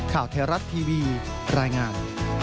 ข่าวไทยรัฐทีวีรายงาน